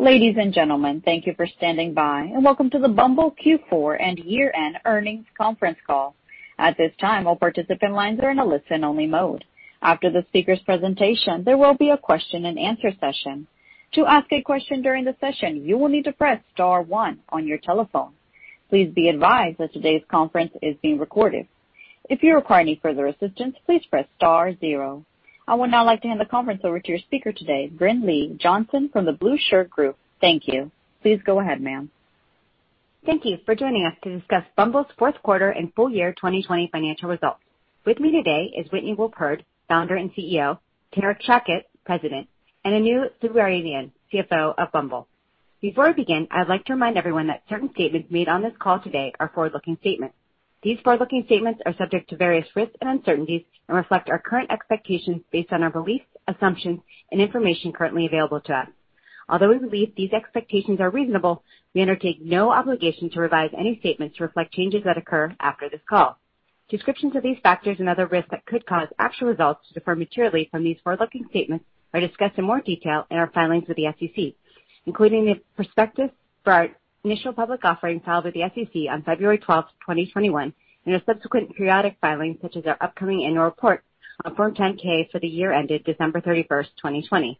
Ladies and gentlemen, thank you for standing by and welcome to the Bumble Q4 and Year-End Earnings Conference Call. I would now like to hand the conference over to your speaker today, Brinlea Johnson from the Blueshirt Group. Thank you. Please go ahead, ma'am. Thank you for joining us to discuss Bumble's Fourth Quarter and Full-Year 2020 Financial Results. With me today is Whitney Wolfe Herd, Founder and CEO, Tariq Shaukat, President, and Anu Subramanian, CFO of Bumble. Before we begin, I'd like to remind everyone that certain statements made on this call today are forward-looking statements. These forward-looking statements are subject to various risks and uncertainties and reflect our current expectations based on our beliefs, assumptions, and information currently available to us. Although we believe these expectations are reasonable, we undertake no obligation to revise any statements to reflect changes that occur after this call. Descriptions of these factors and other risks that could cause actual results to differ materially from these forward-looking statements are discussed in more detail in our filings with the SEC, including the prospectus for our initial public offering filed with the SEC on February 12th, 2021, and our subsequent periodic filings, such as our upcoming annual report on Form 10-K for the year ended December 31st, 2020.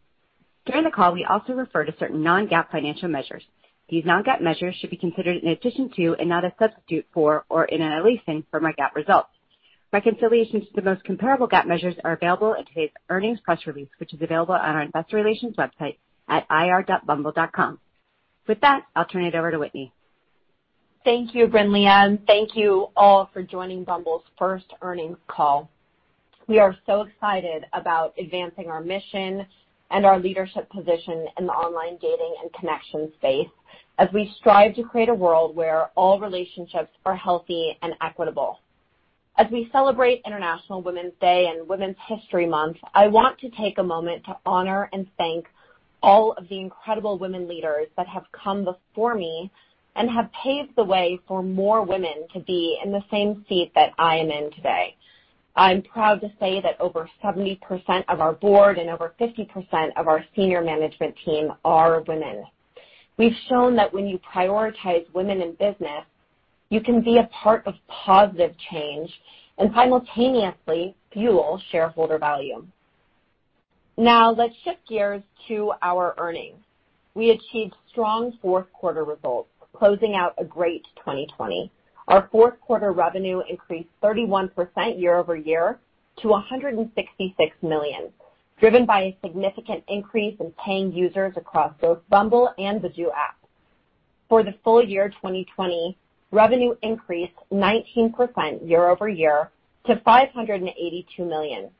During the call, we also refer to certain non-GAAP financial measures. These non-GAAP measures should be considered in addition to and not a substitute for or in isolation for my GAAP results. Reconciliations to the most comparable GAAP measures are available in today's earnings press release, which is available on our investor relations website at ir.bumble.com. With that, I'll turn it over to Whitney. Thank you, Brinlea, and thank you all for joining Bumble's first earnings call. We are so excited about advancing our mission and our leadership position in the online dating and connection space as we strive to create a world where all relationships are healthy and equitable. As we celebrate International Women's Day and Women's History Month, I want to take a moment to honor and thank all of the incredible women leaders that have come before me and have paved the way for more women to be in the same seat that I am in today. I'm proud to say that over 70% of our board and over 50% of our senior management team are women. We've shown that when you prioritize women in business, you can be a part of positive change and simultaneously fuel shareholder value. Let's shift gears to our earnings. We achieved strong fourth quarter results, closing out a great 2020. Our fourth quarter revenue increased 31% year-over-year to $166 million, driven by a significant increase in paying users across both Bumble and Badoo apps. For the full-year 2020, revenue increased 19% year-over-year to $582 million.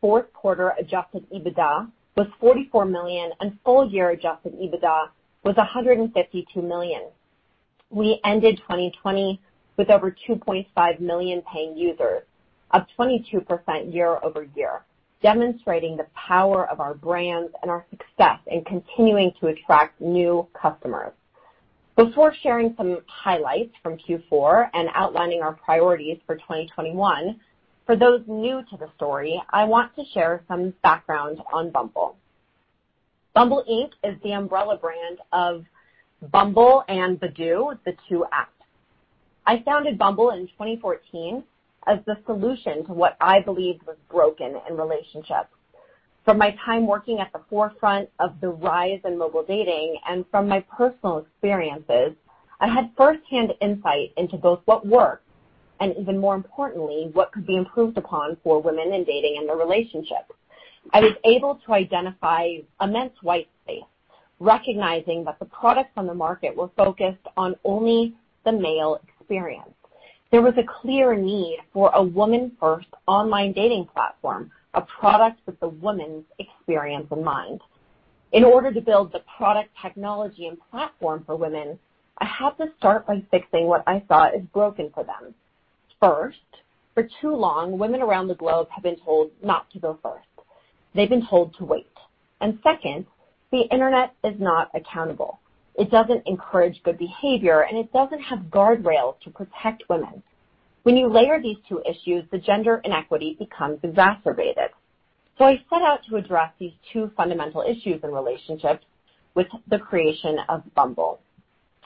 Fourth quarter adjusted EBITDA was $44 million, and full-year adjusted EBITDA was $152 million. We ended 2020 with over 2.5 million paying users, up 22% year-over-year, demonstrating the power of our brands and our success in continuing to attract new customers. Before sharing some highlights from Q4 and outlining our priorities for 2021, for those new to the story, I want to share some background on Bumble. Bumble Inc. is the umbrella brand of Bumble and Badoo, the two apps. I founded Bumble in 2014 as the solution to what I believed was broken in relationships. From my time working at the forefront of the rise in mobile dating and from my personal experiences, I had firsthand insight into both what worked and, even more importantly, what could be improved upon for women in dating and their relationships. I was able to identify immense white space, recognizing that the products on the market were focused on only the male experience. There was a clear need for a woman-first online dating platform, a product with the woman's experience in mind. In order to build the product, technology, and platform for women, I had to start by fixing what I saw as broken for them. First, for too long, women around the globe have been told not to go first. They've been told to wait. Second, the internet is not accountable. It doesn't encourage good behavior, and it doesn't have guardrails to protect women. When you layer these two issues, the gender inequity becomes exacerbated. I set out to address these two fundamental issues in relationships with the creation of Bumble.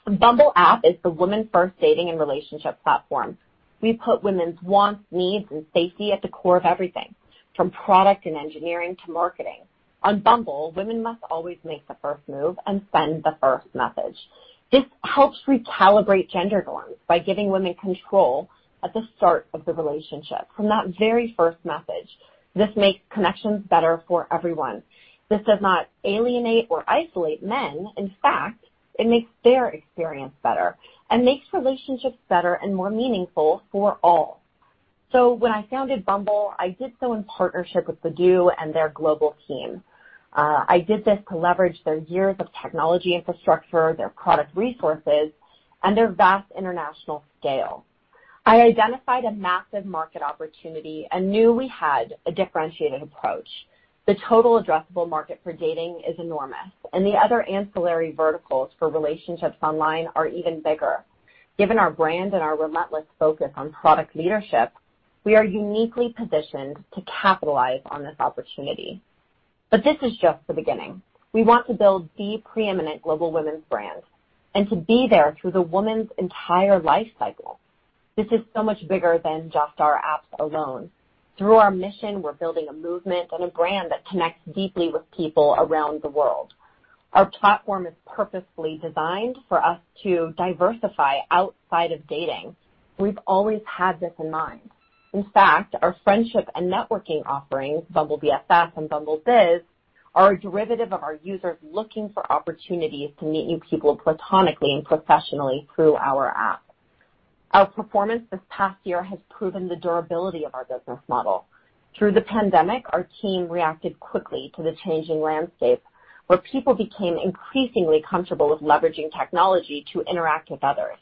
The Bumble app is the women-first dating and relationship platform. We put women's wants, needs, and safety at the core of everything, from product and engineering to marketing. On Bumble, women must always Make the First Move and send the first message. This helps recalibrate gender norms by giving women control at the start of the relationship, from that very first message. This makes connections better for everyone. This does not alienate or isolate men. In fact, it makes their experience better and makes relationships better and more meaningful for all. When I founded Bumble, I did so in partnership with Badoo and their global team. I did this to leverage their years of technology infrastructure, their product resources, and their vast international scale. I identified a massive market opportunity and knew we had a differentiated approach. The total addressable market for dating is enormous, and the other ancillary verticals for relationships online are even bigger. Given our brand and our relentless focus on product leadership. We are uniquely positioned to capitalize on this opportunity. This is just the beginning. We want to build the preeminent global women's brand and to be there through the woman's entire life cycle. This is so much bigger than just our apps alone. Through our mission, we're building a movement and a brand that connects deeply with people around the world. Our platform is purposefully designed for us to diversify outside of dating. We've always had this in mind. In fact, our friendship and networking offerings, Bumble BFF and Bumble Bizz, are a derivative of our users looking for opportunities to meet new people platonically and professionally through our app. Our performance this past year has proven the durability of our business model. Through the pandemic, our team reacted quickly to the changing landscape, where people became increasingly comfortable with leveraging technology to interact with others.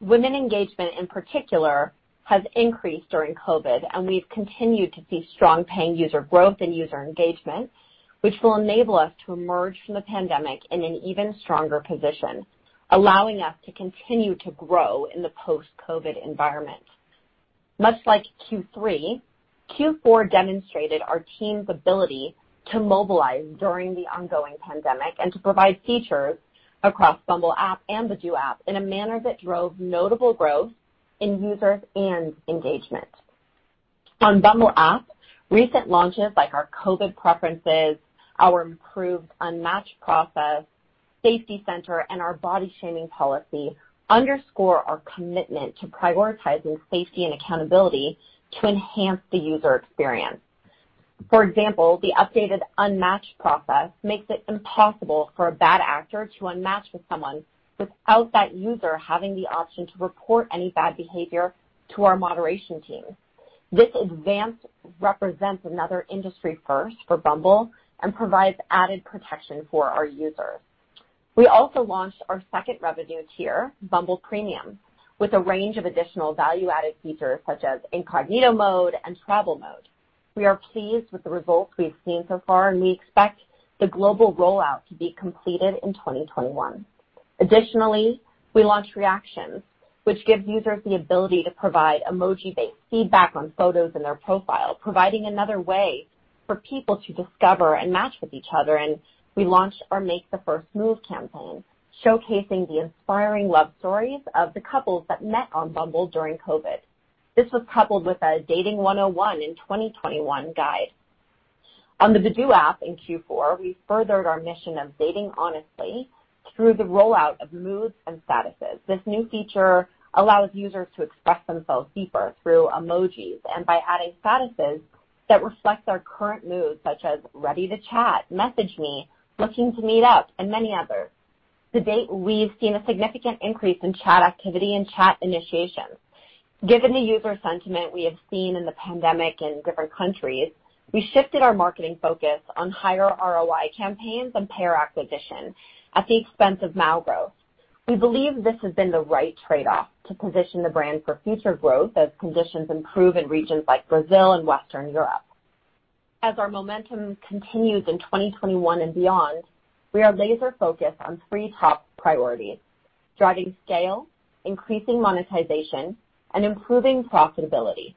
Women engagement, in particular, has increased during COVID, and we've continued to see strong paying user growth and user engagement, which will enable us to emerge from the pandemic in an even stronger position, allowing us to continue to grow in the post-COVID environment. Much like Q3, Q4 demonstrated our team's ability to mobilize during the ongoing pandemic and to provide features across Bumble app and the Badoo app in a manner that drove notable growth in users and engagement. On Bumble app, recent launches like our COVID preferences, our improved unmatch process, safety center, and our body shaming policy underscore our commitment to prioritizing safety and accountability to enhance the user experience. For example, the updated unmatch process makes it impossible for a bad actor to unmatch with someone without that user having the option to report any bad behavior to our moderation team. This advance represents another industry first for Bumble and provides added protection for our users. We also launched our second revenue tier, Bumble Premium, with a range of additional value-added features such as Incognito Mode and Travel Mode. We are pleased with the results we've seen so far, and we expect the global rollout to be completed in 2021. Additionally, we launched Emoji Reactions, which gives users the ability to provide emoji-based feedback on photos in their profile, providing another way for people to discover and match with each other. We launched our Make the First Move campaign, showcasing the inspiring love stories of the couples that met on Bumble during COVID. This was coupled with a Dating 101 in 2021 guide. On the Badoo app in Q4, we furthered our mission of dating honestly through the rollout of moods and statuses. This new feature allows users to express themselves deeper through emojis and by adding statuses that reflect their current mood, such as "Ready to chat," "Message me," "Looking to meet up," and many others. To date, we've seen a significant increase in chat activity and chat initiation. Given the user sentiment we have seen in the pandemic in different countries, we shifted our marketing focus on higher ROI campaigns and payer acquisition at the expense of male growth. We believe this has been the right trade-off to position the brand for future growth as conditions improve in regions like Brazil and Western Europe. As our momentum continues in 2021 and beyond, we are laser-focused on three top priorities, driving scale, increasing monetization, and improving profitability.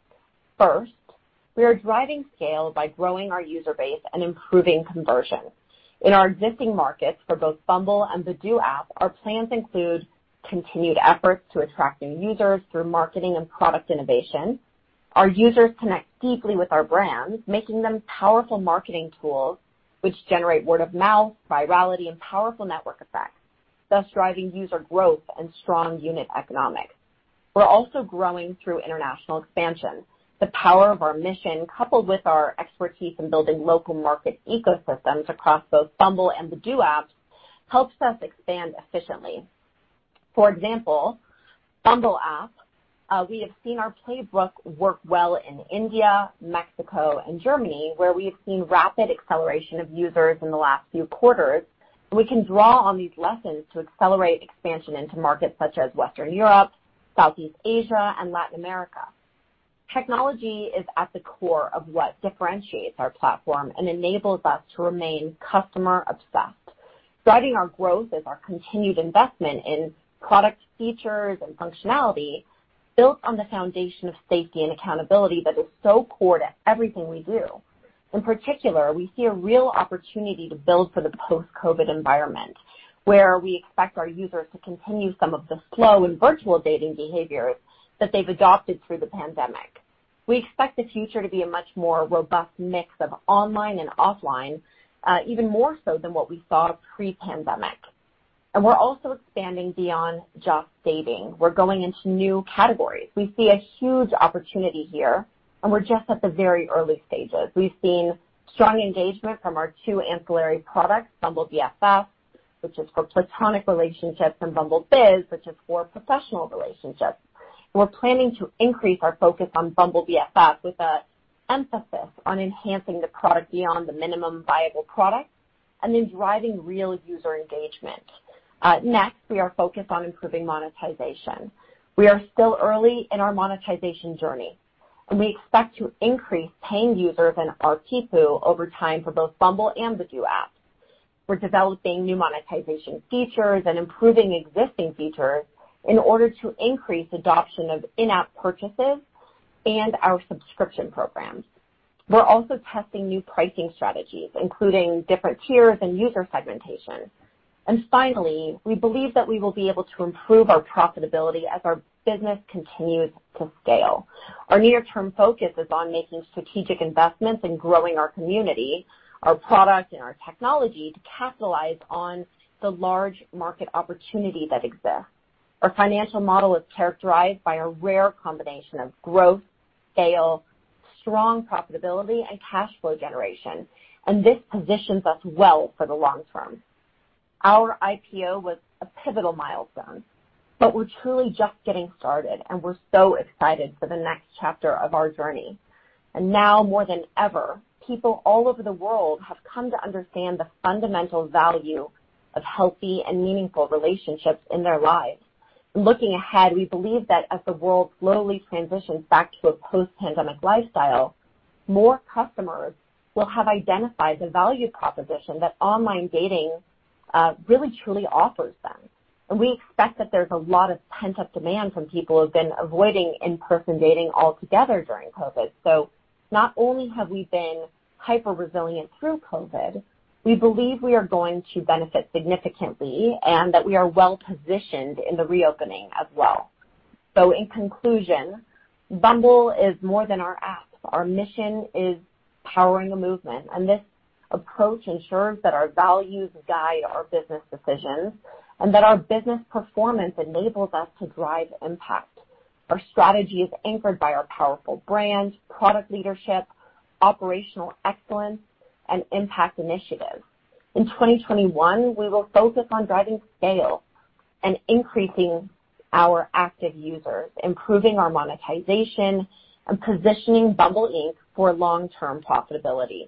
First, we are driving scale by growing our user base and improving conversion. In our existing markets for both Bumble and Badoo app, our plans include continued efforts to attract new users through marketing and product innovation. Our users connect deeply with our brands, making them powerful marketing tools which generate word of mouth, virality, and powerful network effects, thus driving user growth and strong unit economics. We're also growing through international expansion. The power of our mission, coupled with our expertise in building local market ecosystems across both Bumble and Badoo apps, helps us expand efficiently. For example, Bumble app, we have seen our playbook work well in India, Mexico, and Germany, where we have seen rapid acceleration of users in the last few quarters. We can draw on these lessons to accelerate expansion into markets such as Western Europe, Southeast Asia, and Latin America. Technology is at the core of what differentiates our platform and enables us to remain customer-obsessed. Driving our growth is our continued investment in product features and functionality built on the foundation of safety and accountability that is so core to everything we do. In particular, we see a real opportunity to build for the post-COVID environment, where we expect our users to continue some of the slow and virtual dating behaviors that they've adopted through the pandemic. We expect the future to be a much more robust mix of online and offline, even more so than what we saw pre-pandemic. We're also expanding beyond just dating. We're going into new categories. We see a huge opportunity here, and we're just at the very early stages. We've seen strong engagement from our two ancillary products, Bumble BFF, which is for platonic relationships, and Bumble Bizz, which is for professional relationships. We're planning to increase our focus on Bumble BFF with an emphasis on enhancing the product beyond the minimum viable product and then driving real user engagement. Next, we are focused on improving monetization. We are still early in our monetization journey, and we expect to increase paying users and ARPU over time for both Bumble and Badoo app. We're developing new monetization features and improving existing features in order to increase adoption of in-app purchases and our subscription programs. We're also testing new pricing strategies, including different tiers and user segmentation. Finally, we believe that we will be able to improve our profitability as our business continues to scale. Our near-term focus is on making strategic investments and growing our community, our product, and our technology to capitalize on the large market opportunity that exists. Our financial model is characterized by a rare combination of growth, scale, strong profitability, and cash flow generation, and this positions us well for the long term. Our IPO was a pivotal milestone, but we're truly just getting started, and we're so excited for the next chapter of our journey. Now more than ever, people all over the world have come to understand the fundamental value of healthy and meaningful relationships in their lives. Looking ahead, we believe that as the world slowly transitions back to a post-pandemic lifestyle, more customers will have identified the value proposition that online dating really truly offers them. We expect that there's a lot of pent-up demand from people who've been avoiding in-person dating altogether during COVID. Not only have we been hyper-resilient through COVID, we believe we are going to benefit significantly and that we are well-positioned in the reopening as well. In conclusion, Bumble is more than our app. Our mission is powering a movement, and this approach ensures that our values guide our business decisions and that our business performance enables us to drive impact. Our strategy is anchored by our powerful brand, product leadership, operational excellence, and impact initiatives. In 2021, we will focus on driving scale and increasing our active users, improving our monetization, and positioning Bumble Inc. for long-term profitability.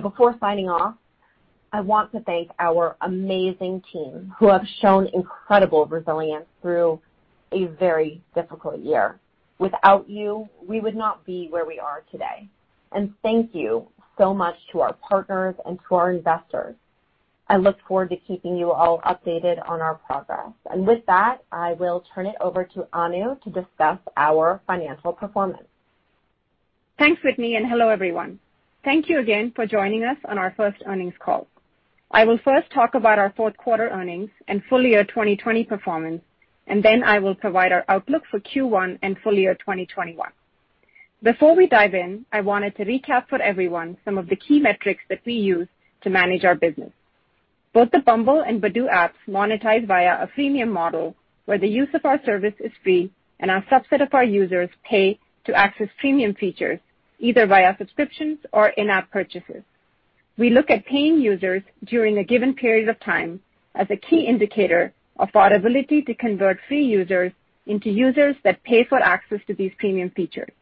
Before signing off, I want to thank our amazing team who have shown incredible resilience through a very difficult year. Without you, we would not be where we are today. Thank you so much to our partners and to our investors. I look forward to keeping you all updated on our progress. With that, I will turn it over to Anu to discuss our financial performance. Thanks, Whitney. Hello, everyone. Thank you again for joining us on our first earnings call. I will first talk about our fourth quarter earnings and full-year 2020 performance. Then I will provide our outlook for Q1 and full-year 2021. Before we dive in, I wanted to recap for everyone some of the key metrics that we use to manage our business. Both the Bumble and Badoo apps monetize via a freemium model, where the use of our service is free and a subset of our users pay to access premium features, either via subscriptions or in-app purchases. We look at paying users during a given period of time as a key indicator of our ability to convert free users into users that pay for access to these premium features.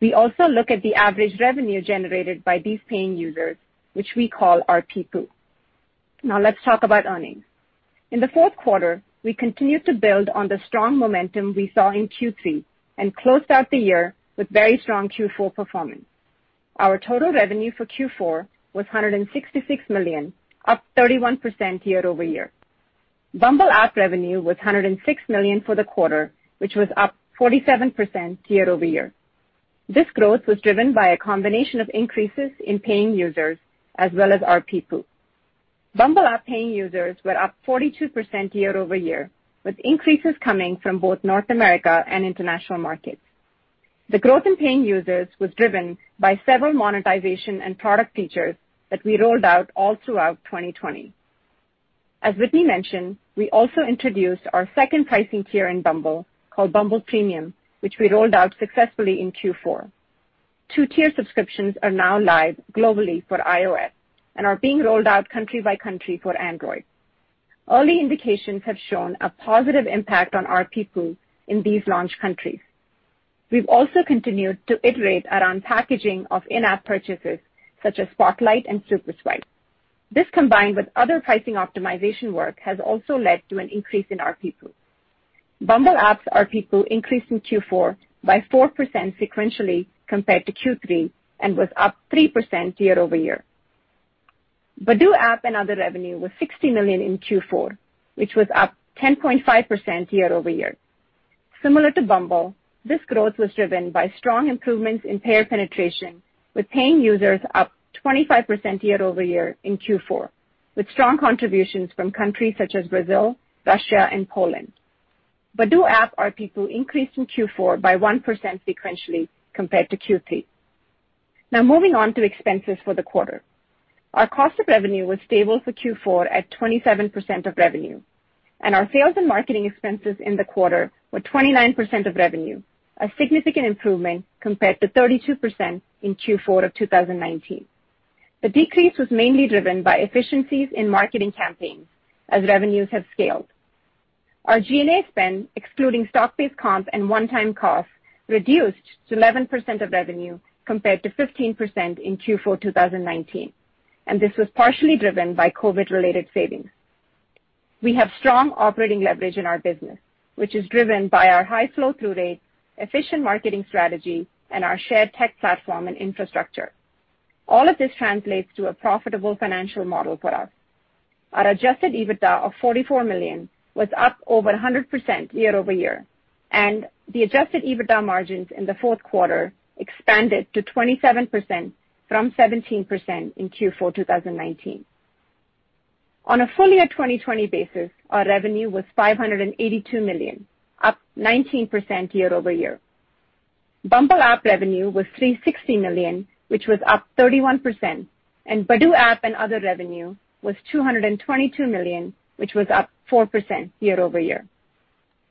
We also look at the average revenue generated by these paying users, which we call a ARPPU. Now let's talk about earnings. In the fourth quarter, we continued to build on the strong momentum we saw in Q3 and closed out the year with very strong Q4 performance. Our total revenue for Q4 was $166 million, up 31% year-over-year. Bumble app revenue was $106 million for the quarter, which was up 47% year-over-year. This growth was driven by a combination of increases in paying users as well as a ARPPU. Bumble app paying users were up 42% year-over-year, with increases coming from both North America and international markets. The growth in paying users was driven by several monetization and product features that we rolled out all throughout 2020. As Whitney mentioned, we also introduced our second pricing tier in Bumble, called Bumble Premium, which we rolled out successfully in Q4. Two-tier subscriptions are now live globally for iOS and are being rolled out country by country for Android. Early indications have shown a positive impact on a ARPPU in these launch countries. We've also continued to iterate around packaging of in-app purchases such as Spotlight and SuperSwipe. This, combined with other pricing optimization work, has also led to an increase in a ARPPU. Bumble apps' a ARPPU increased in Q4 by 4% sequentially compared to Q3 and was up 3% year-over-year. Badoo app and other revenue was $60 million in Q4, which was up 10.5% year-over-year. Similar to Bumble, this growth was driven by strong improvements in payer penetration, with paying users up 25% year-over-year in Q4, with strong contributions from countries such as Brazil, Russia, and Poland. Badoo app a ARPPU increased in Q4 by 1% sequentially compared to Q3. Moving on to expenses for the quarter. Our cost of revenue was stable for Q4 at 27% of revenue, our sales and marketing expenses in the quarter were 29% of revenue, a significant improvement compared to 32% in Q4 of 2019. The decrease was mainly driven by efficiencies in marketing campaigns as revenues have scaled. Our G&A spend, excluding stock-based comp and one-time costs, reduced to 11% of revenue, compared to 15% in Q4 2019, this was partially driven by COVID-related savings. We have strong operating leverage in our business, which is driven by our high flow-through rate, efficient marketing strategy, and our shared tech platform and infrastructure. All of this translates to a profitable financial model for us. Our adjusted EBITDA of $44 million was up over 100% year-over-year, and the adjusted EBITDA margins in the fourth quarter expanded to 27% from 17% in Q4 2019. On a full-year 2020 basis, our revenue was $582 million, up 19% year-over-year. Bumble app revenue was $360 million, which was up 31%, and Badoo app and other revenue was $222 million, which was up 4% year-over-year.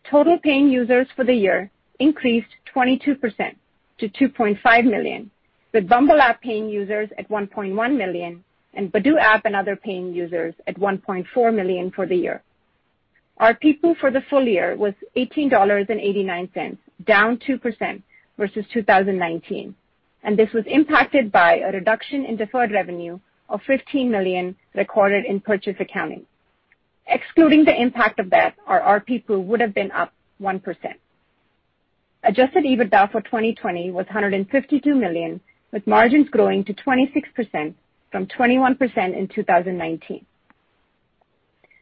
Total paying users for the year increased 22% to 2.5 million, with Bumble app paying users at 1.1 million and Badoo app and other paying users at 1.4 million for the year. Our a ARPPU for the full-year was $18.89, down 2% versus 2019, and this was impacted by a reduction in deferred revenue of $15 million recorded in purchase accounting. Excluding the impact of that, our a ARPPU would've been up 1%. Adjusted EBITDA for 2020 was $152 million, with margins growing to 26% from 21% in 2019.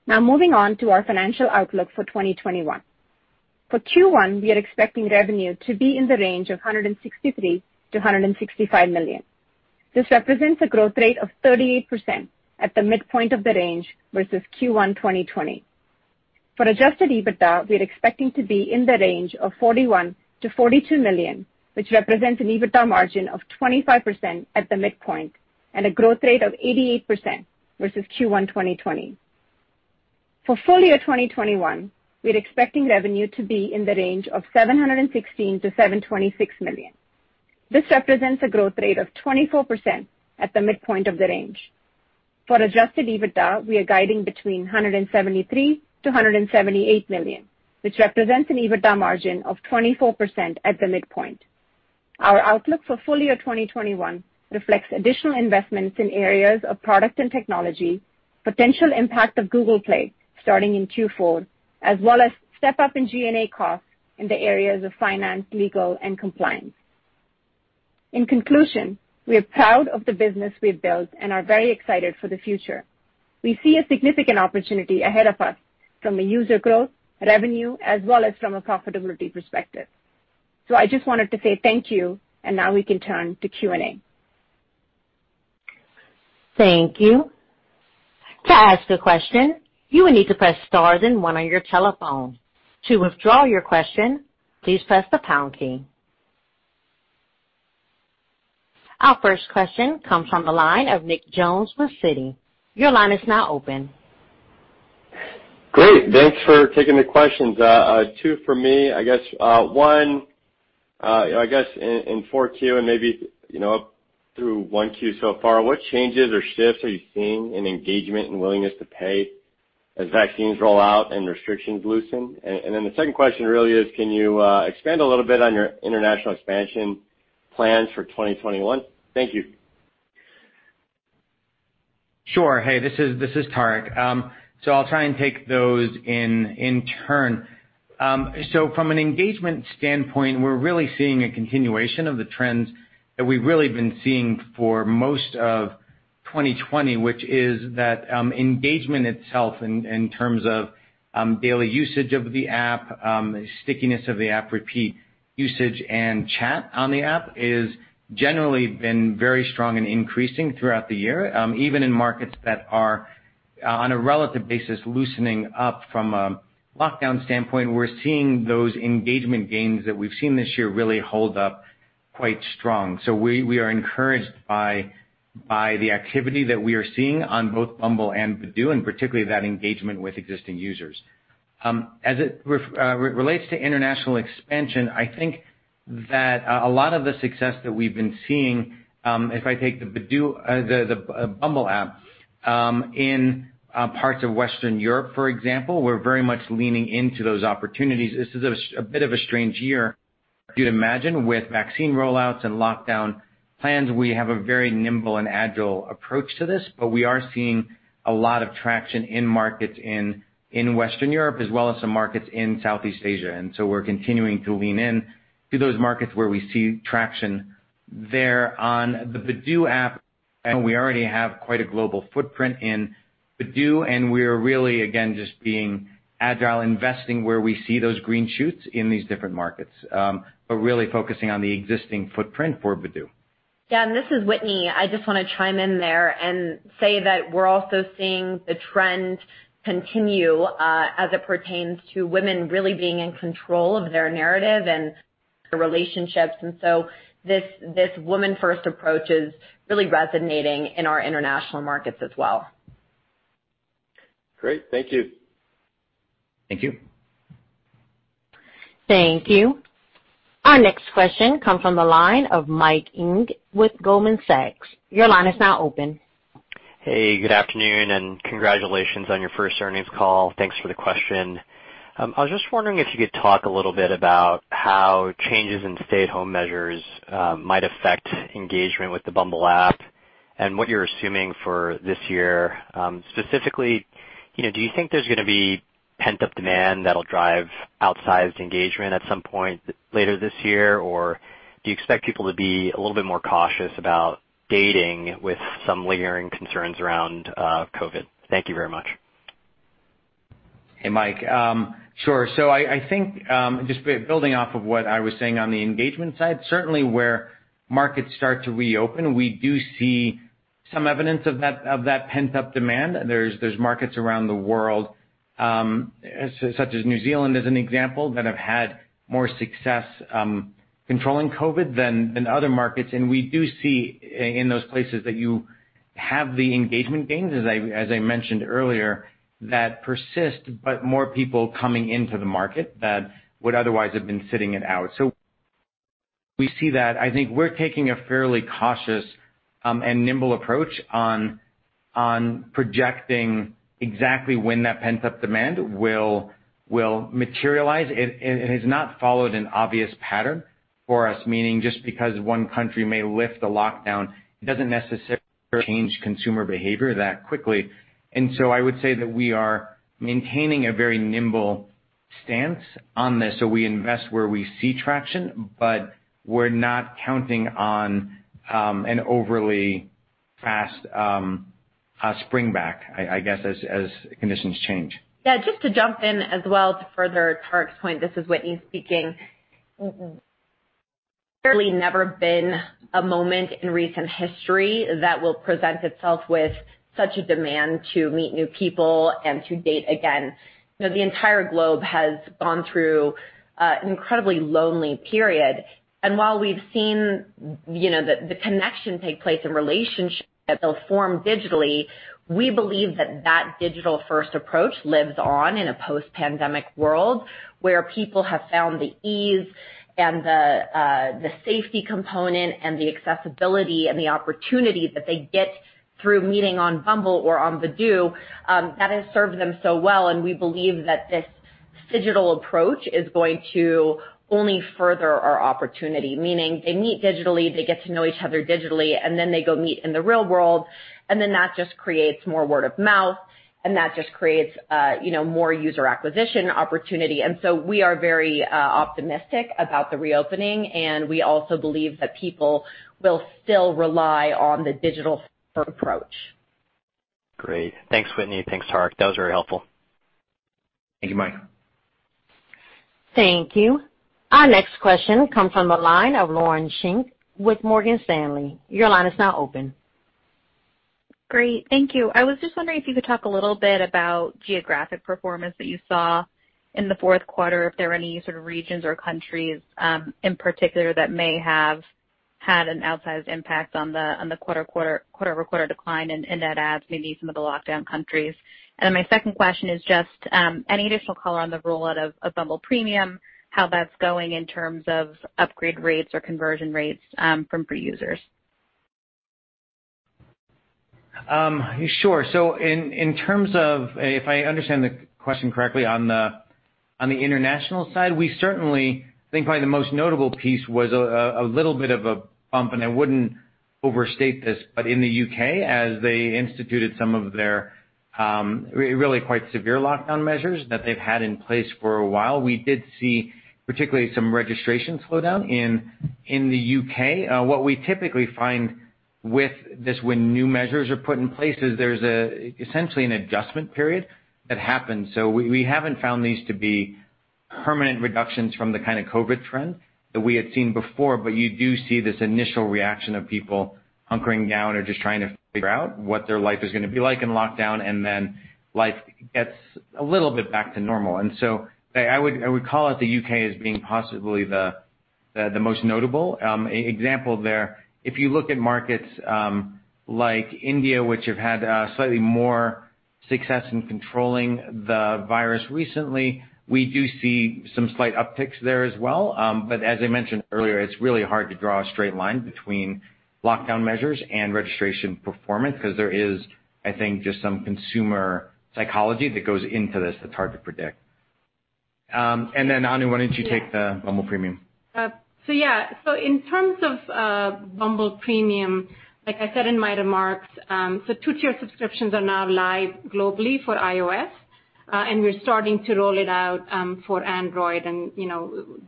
Moving on to our financial outlook for 2021. For Q1, we are expecting revenue to be in the range of $163 million to $165 million. This represents a growth rate of 38% at the midpoint of the range versus Q1 2020. For adjusted EBITDA, we're expecting to be in the range of $41 million to $42 million, which represents an EBITDA margin of 25% at the midpoint and a growth rate of 88% versus Q1 2020. For full-year 2021, we're expecting revenue to be in the range of $716 million to $726 million. This represents a growth rate of 24% at the midpoint of the range. For adjusted EBITDA, we are guiding between $173 million to $178 million, which represents an EBITDA margin of 24% at the midpoint. Our outlook for full-year 2021 reflects additional investments in areas of product and technology, potential impact of Google Play starting in Q4, as well as step up in G&A costs in the areas of finance, legal, and compliance. In conclusion, we are proud of the business we've built and are very excited for the future. We see a significant opportunity ahead of us from a user growth, revenue, as well as from a profitability perspective. I just wanted to say thank you, and now we can turn to Q&A. Thank you. To ask a question, you will need to press star then one on your telephone. To withdraw your question, please press the pound key. Our first question comes from the line of Nick Jones with Citi. Your line is now open. Great. Thanks for taking the questions. Two for me. I guess, one, I guess in 4Q and maybe up through 1Q so far, what changes or shifts are you seeing in engagement and willingness to pay as vaccines roll out and restrictions loosen? The second question really is, can you expand a little bit on your international expansion plans for 2021? Thank you. Sure. Hey, this is Tariq. I'll try and take those in turn. From an engagement standpoint, we're really seeing a continuation of the trends that we've really been seeing for most of 2020, which is that engagement itself in terms of daily usage of the app, stickiness of the app, repeat usage, and chat on the app, is generally been very strong and increasing throughout the year. Even in markets that are, on a relative basis, loosening up from a lockdown standpoint, we're seeing those engagement gains that we've seen this year really hold up quite strong. We are encouraged by the activity that we are seeing on both Bumble and Badoo, and particularly that engagement with existing users. As it relates to international expansion, I think that a lot of the success that we've been seeing, if I take the Bumble app, in parts of Western Europe, for example, we're very much leaning into those opportunities. This is a bit of a strange year to imagine with vaccine rollouts and lockdown plans. We have a very nimble and agile approach to this, but we are seeing a lot of traction in markets in Western Europe as well as some markets in Southeast Asia. We're continuing to lean in to those markets where we see traction there. On the Badoo app, we already have quite a global footprint in Badoo, and we are really, again, just being agile, investing where we see those green shoots in these different markets. Really focusing on the existing footprint for Badoo. This is Whitney. I just want to chime in there and say that we're also seeing the trend continue as it pertains to women really being in control of their narrative and their relationships. This woman first approach is really resonating in our international markets as well. Great. Thank you. Thank you. Thank you. Our next question comes from the line of Mike Ng with Goldman Sachs. Your line is now open. Hey, good afternoon and congratulations on your first earnings call. Thanks for the question. I was just wondering if you could talk a little bit about how changes in stay-at-home measures might affect engagement with the Bumble app and what you're assuming for this year, specifically, do you think there's going to be pent-up demand that'll drive outsized engagement at some point later this year? Or do you expect people to be a little bit more cautious about dating with some lingering concerns around COVID? Thank you very much. Hey, Mike. Sure. I think, just building off of what I was saying on the engagement side, certainly where markets start to reopen, we do see some evidence of that pent-up demand. There's markets around the world, such as New Zealand, as an example, that have had more success controlling COVID than other markets. We do see in those places that you have the engagement gains, as I mentioned earlier, that persist, but more people coming into the market that would otherwise have been sitting it out. We see that. I think we're taking a fairly cautious and nimble approach on projecting exactly when that pent-up demand will materialize. It has not followed an obvious pattern for us, meaning just because one country may lift a lockdown, it doesn't necessarily change consumer behavior that quickly. I would say that we are maintaining a very nimble stance on this. We invest where we see traction, but we're not counting on an overly fast spring back, I guess, as conditions change. Just to jump in as well to further Tariq's point, this is Whitney speaking. Certainly never been a moment in recent history that will present itself with such a demand to meet new people and to date again. The entire globe has gone through an incredibly lonely period. While we've seen the connection take place and relationships that they'll form digitally, we believe that that digital-first approach lives on in a post-pandemic world where people have found the ease and the safety component and the accessibility and the opportunity that they get through meeting on Bumble or on Badoo, that has served them so well And we believe that this digital approach is going to only further our opportunity, meaning they meet digitally, they get to know each other digitally, and then they go meet in the real world, and then that just creates more word of mouth, and that just creates more user acquisition opportunity. We are very optimistic about the reopening, and we also believe that people will still rely on the digital-first approach. Great. Thanks, Whitney. Thanks, Tariq. That was very helpful. Thank you, Mike. Thank you. Our next question comes from the line of Lauren Schenk with Morgan Stanley. Your line is now open. Great. Thank you. I was just wondering if you could talk a little bit about geographic performance that you saw in the fourth quarter, if there were any sort of regions or countries in particular that may have had an outsized impact on the quarter-over-quarter decline in net adds, maybe some of the lockdown countries. My second question is just any additional color on the rollout of Bumble Premium, how that's going in terms of upgrade rates or conversion rates from free users? Sure. In terms of, if I understand the question correctly, on the international side, we certainly think probably the most notable piece was a little bit of a bump, and I wouldn't overstate this, but in the U.K., as they instituted some of their really quite severe lockdown measures that they've had in place for a while, we did see particularly some registration slowdown in the U.K. What we typically find with this when new measures are put in place is there's essentially an adjustment period that happens. We haven't found these to be permanent reductions from the kind of COVID trend that we had seen before, but you do see this initial reaction of people hunkering down or just trying to figure out what their life is going to be like in lockdown, and then life gets a little bit back to normal. I would call out the U.K. as being possibly the most notable example there. If you look at markets like India, which have had slightly more success in controlling the virus recently, we do see some slight upticks there as well. As I mentioned earlier, it's really hard to draw a straight line between lockdown measures and registration performance because there is, I think, just some consumer psychology that goes into this that's hard to predict. Anu, why don't you take the Bumble Premium? In terms of Bumble Premium, like I said in my remarks, two-tier subscriptions are now live globally for iOS. We're starting to roll it out for Android, and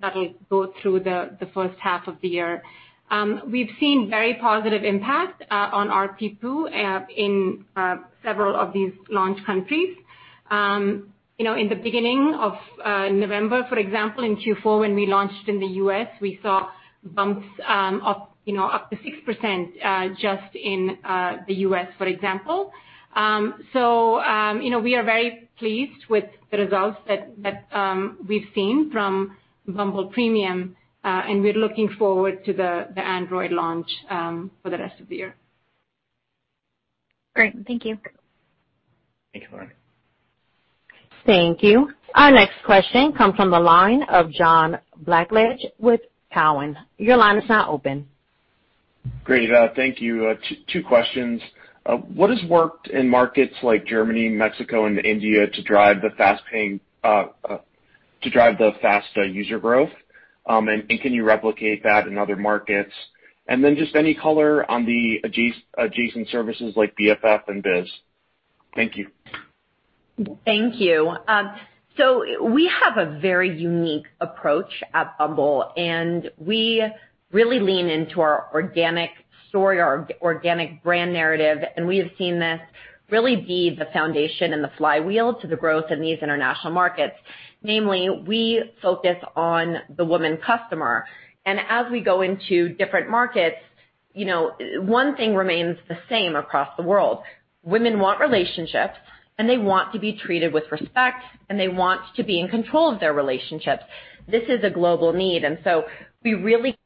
that'll go through the first half of the year. We've seen very positive impact on aa ARPPU in several of these launch countries. In the beginning of November, for example, in Q4, when we launched in the U.S., we saw bumps up to 6% just in the U.S., for example. We are very pleased with the results that we've seen from Bumble Premium, and we're looking forward to the Android launch for the rest of the year. Great. Thank you. Thank you, Lauren. Thank you. Our next question comes from the line of John Blackledge with Cowen. Your line is now open. Great. Thank you. Two questions. What has worked in markets like Germany, Mexico, and India to drive the fast user growth. Can you replicate that in other markets? Just any color on the adjacent services like BFF and Bizz. Thank you. Thank you. We have a very unique approach at Bumble, and we really lean into our organic story, our organic brand narrative, and we have seen this really be the foundation and the flywheel to the growth in these international markets. Namely, we focus on the woman customer. As we go into different markets, one thing remains the same across the world. Women want relationships, and they want to be treated with respect, and they want to be in control of their relationships. This is a global need. We really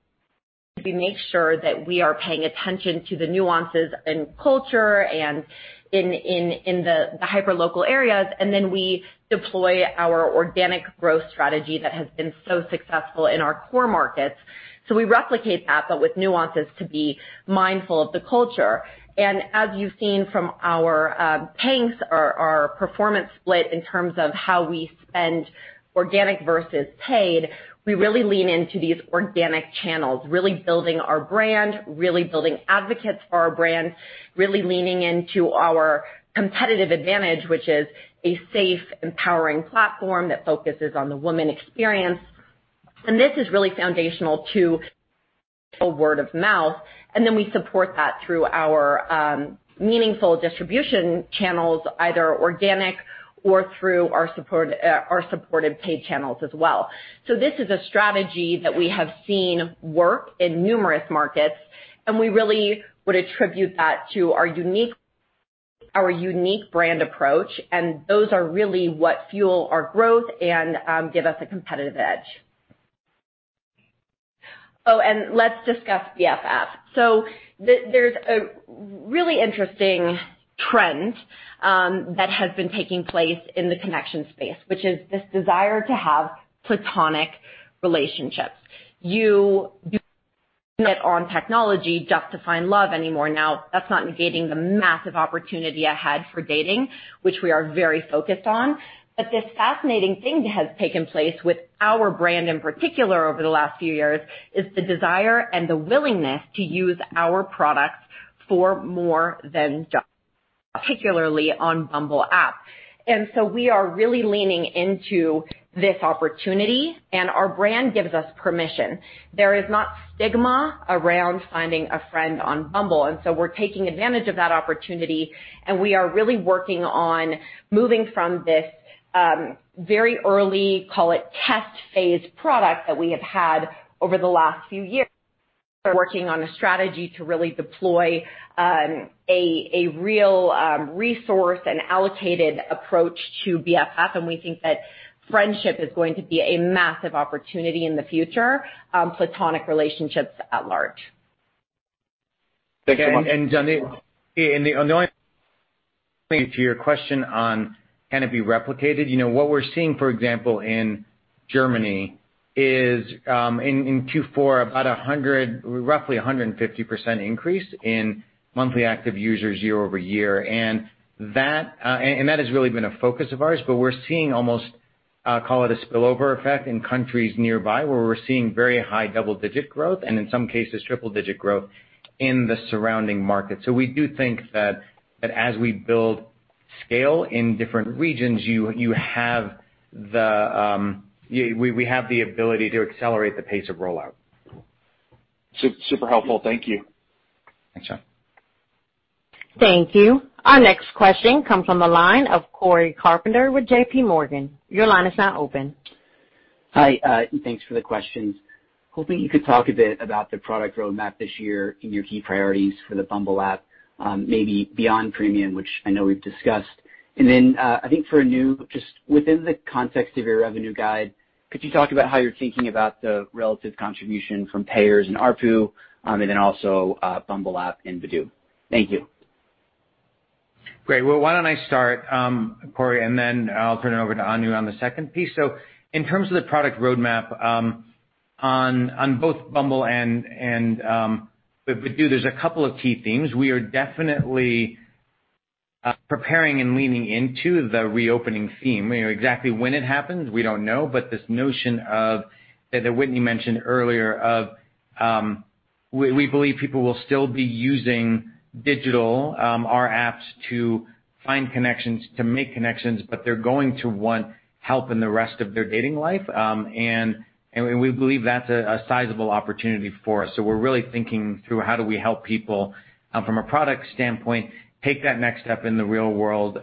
make sure that we are paying attention to the nuances in culture and in the hyper-local areas. Then we deploy our organic growth strategy that has been so successful in our core markets. We replicate that, but with nuances to be mindful of the culture. As you've seen from our paid, our performance split in terms of how we spend organic versus paid, we really lean into these organic channels, really building our brand, really building advocates for our brand, really leaning into our competitive advantage, which is a safe, empowering platform that focuses on the woman experience. This is really foundational to word of mouth, then we support that through our meaningful distribution channels, either organic or through our supported paid channels as well. This is a strategy that we have seen work in numerous markets, we really would attribute that to our unique brand approach, those are really what fuel our growth and give us a competitive edge. Let's discuss BFF. There's a really interesting trend that has been taking place in the connection space, which is this desire to have platonic relationships. [inaudible] That's not negating the massive opportunity ahead for dating, which we are very focused on. This fascinating thing that has taken place with our brand in particular over the last few years, is the desire and the willingness to use our products for more than just particularly on Bumble app. We are really leaning into this opportunity, and our brand gives us permission. There is not stigma around finding a friend on Bumble. We're taking advantage of that opportunity, and we are really working on moving from this very early, call it test phase product that we have had over the last few years, working on a strategy to really deploy a real resource and allocated approach to BFF. We think that friendship is going to be a massive opportunity in the future, platonic relationships at large. Thanks so much. John, to your question on, can it be replicated? What we're seeing, for example, in Germany is, in Q4, about roughly 150% increase in monthly active users year-over-year. That has really been a focus of ours, but we're seeing almost, call it a spillover effect in countries nearby where we're seeing very high double-digit growth and in some cases, triple-digit growth in the surrounding markets. We do think that as we build scale in different regions, we have the ability to accelerate the pace of rollout. Super helpful. Thank you. Thanks, John. Thank you. Our next question comes from the line of Cory Carpenter with JPMorgan. Your line is now open. Hi, and thanks for the questions. Hoping you could talk a bit about the product roadmap this year and your key priorities for the Bumble app, maybe beyond Premium, which I know we've discussed. I think for Anu, just within the context of your revenue guide, could you talk about how you're thinking about the relative contribution from payers and ARPU, and then also Bumble app and Badoo? Thank you. Great. Why don't I start, Cory, and then I'll turn it over to Anu on the second piece. In terms of the product roadmap, on both Bumble and Badoo, there's a couple of key themes. We are definitely preparing and leaning into the reopening theme. Exactly when it happens, we don't know, but this notion that Whitney mentioned earlier of, we believe people will still be using digital, our apps, to find connections, to make connections, but they're going to want help in the rest of their dating life. We believe that's a sizable opportunity for us. We're really thinking through how do we help people from a product standpoint, take that next step in the real world,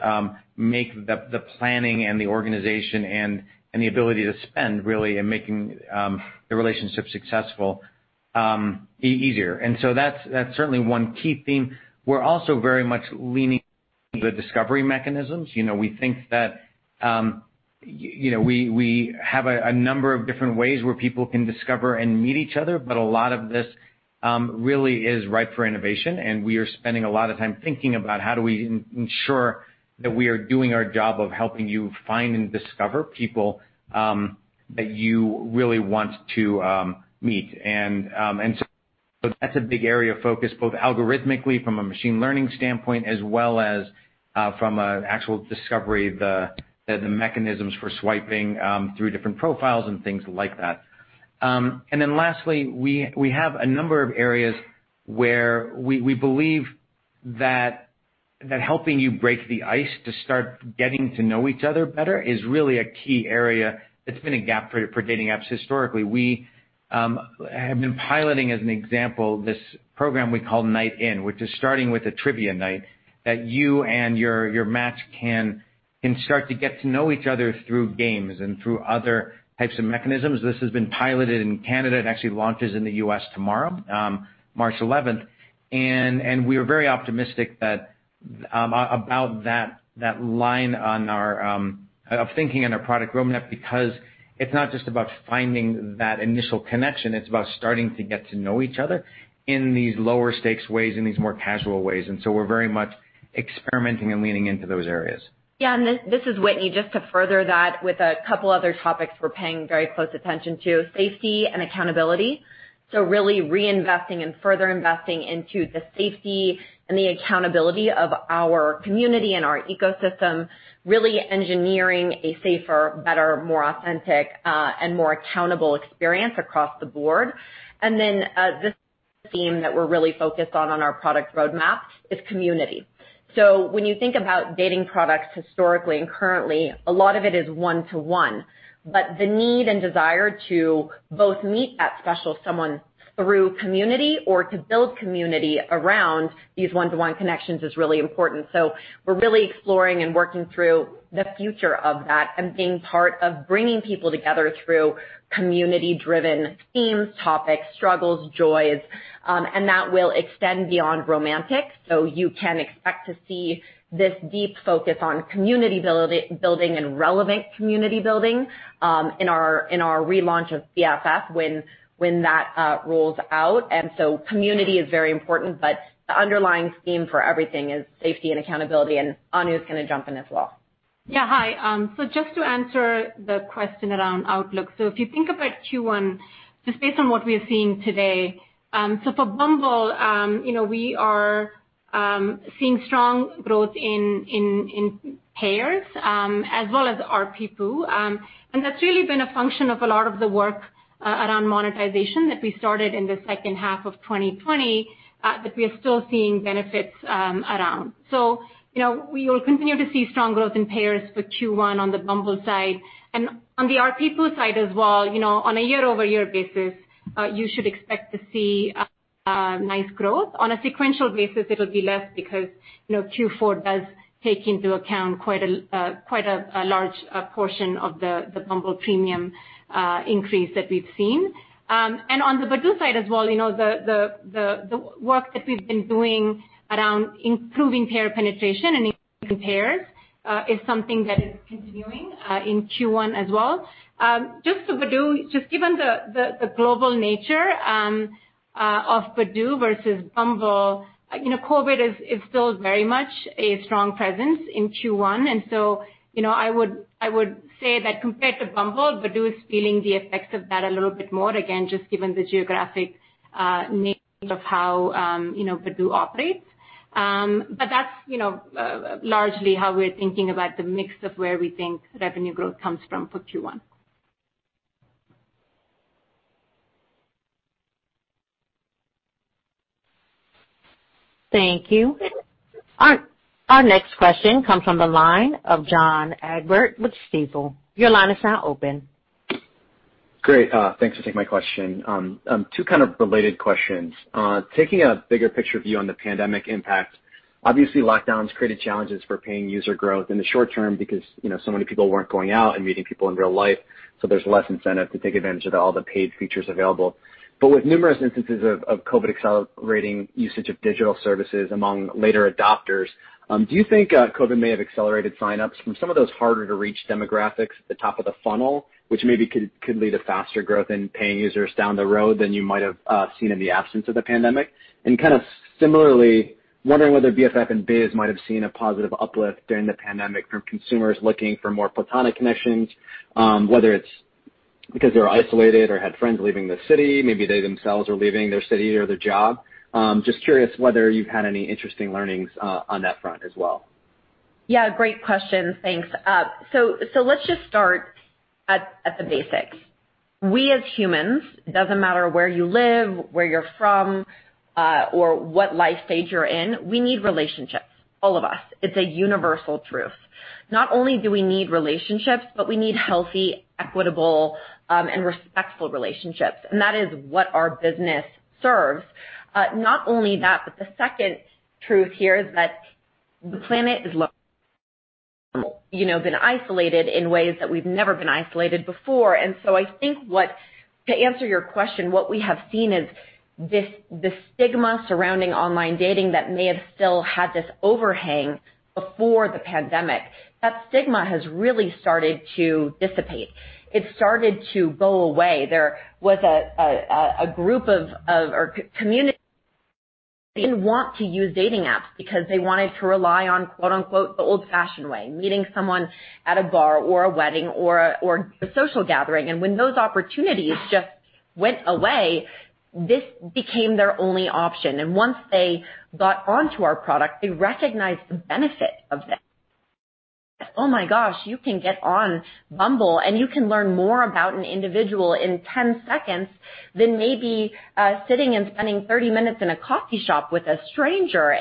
make the planning and the organization and the ability to spend really in making the relationship successful easier. That's certainly one key theme. We're also very much leaning the discovery mechanisms. We think that we have a number of different ways where people can discover and meet each other, but a lot of this really is ripe for innovation, and we are spending a lot of time thinking about how do we ensure that we are doing our job of helping you find and discover people that you really want to meet. That's a big area of focus, both algorithmically from a machine learning standpoint, as well as from an actual discovery, the mechanisms for swiping through different profiles and things like that. Lastly, we have a number of areas where we believe that helping you break the ice to start getting to know each other better is really a key area that's been a gap for dating apps historically. We have been piloting, as an example, this program we call Night In, which is starting with a trivia night that you and your match can start to get to know each other through games and through other types of mechanisms. This has been piloted in Canada and actually launches in the U.S. tomorrow, March 11. We are very optimistic about that line of thinking in our product roadmap, because it's not just about finding that initial connection, it's about starting to get to know each other in these lower stakes ways, in these more casual ways. We're very much experimenting and leaning into those areas. Yeah, this is Whitney. Just to further that with a couple other topics we're paying very close attention to, safety and accountability. Really reinvesting and further investing into the safety and the accountability of our community and our ecosystem, really engineering a safer, better, more authentic, and more accountable experience across the board. The theme that we're really focused on our product roadmap is community. When you think about dating products historically and currently, a lot of it is one-to-one, but the need and desire to both meet that special someone through community or to build community around these one-to-one connections is really important. We're really exploring and working through the future of that and being part of bringing people together through community-driven themes, topics, struggles, joys, and that will extend beyond romantic. You can expect to see this deep focus on community building and relevant community building in our relaunch of BFF when that rolls out. Community is very important, but the underlying theme for everything is safety and accountability. Anu's going to jump in as well. Yeah, hi. Just to answer the question around outlook. If you think about Q1, just based on what we are seeing today, for Bumble, we are seeing strong growth in payers as well as a ARPPU. That's really been a function of a lot of the work around monetization that we started in the second half of 2020, that we are still seeing benefits around. We will continue to see strong growth in payers for Q1 on the Bumble side. On the a ARPPU side as well, on a year-over-year basis, you should expect to see nice growth. On a sequential basis, it'll be less because Q4 does take into account quite a large portion of the Bumble Premium increase that we've seen. On the Badoo side as well, the work that we've been doing around improving payer penetration and increasing payers is something that is continuing in Q1 as well. For Badoo, just given the global nature of Badoo versus Bumble, COVID is still very much a strong presence in Q1. So I would say that compared to Bumble, Badoo is feeling the effects of that a little bit more, again, just given the geographic nature of how Badoo operates. That's largely how we're thinking about the mix of where we think revenue growth comes from for Q1. Thank you. Our next question comes from the line of John Egbert with Stifel. Your line is now open. Great. Thanks for taking my question. Two kind of related questions. Taking a bigger picture view on the pandemic impact, obviously lockdowns created challenges for paying user growth in the short term because so many people weren't going out and meeting people in real life, so there's less incentive to take advantage of all the paid features available. With numerous instances of COVID accelerating usage of digital services among later adopters, do you think COVID may have accelerated sign-ups from some of those harder to reach demographics at the top of the funnel, which maybe could lead to faster growth in paying users down the road than you might have seen in the absence of the pandemic? Kind of similarly, wondering whether BFF and Bizz might have seen a positive uplift during the pandemic from consumers looking for more platonic connections, whether it's because they're isolated or had friends leaving the city, maybe they themselves are leaving their city or their job. Just curious whether you've had any interesting learnings on that front as well. Yeah, great question. Thanks. Let's just start at the basics. We as humans, doesn't matter where you live, where you're from, or what life stage you're in, we need relationships, all of us. It's a universal truth. Not only do we need relationships, but we need healthy, equitable, and respectful relationships. That is what our business serves. Not only that, but the second truth here is that the planet is been isolated in ways that we've never been isolated before. I think to answer your question, what we have seen is this stigma surrounding online dating that may have still had this overhang before the pandemic, that stigma has really started to dissipate. It started to go away. There was a group of, or community. They didn't want to use dating apps because they wanted to rely on quote, unquote, "the old-fashioned way," meeting someone at a bar or a wedding or a social gathering. When those opportunities just went away, this became their only option. Once they got onto our product, they recognized the benefit of this. Oh my gosh, you can get on Bumble, and you can learn more about an individual in 10 seconds than maybe sitting and spending 30 minutes in a coffee shop with a stranger.